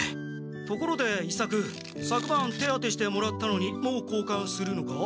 ところで伊作さくばん手当てしてもらったのにもうこうかんするのか？